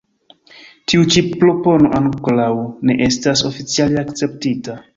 Tiu ĉi propono ankoraŭ ne estas oficiale akceptita.